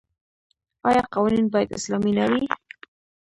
آیا قوانین باید اسلامي نه وي؟